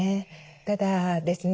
ただですね